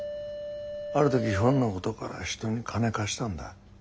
ある時ひょんなことから人に金貸したんだ。